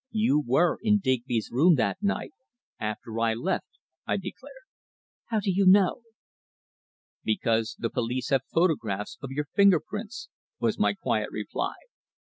"You were in Digby's room that night after I left," I declared. "How do you know." "Because the police have photographs of your finger prints," was my quiet reply.